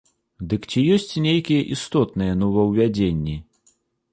Дык ці ёсць нейкія істотныя новаўвядзенні?